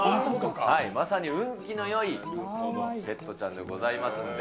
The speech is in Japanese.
まさに運気のよいペットちゃんでございますんで。